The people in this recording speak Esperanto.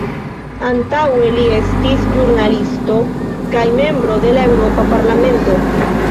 Antaŭe li estis ĵurnalisto kaj membro de la Eŭropa Parlamento.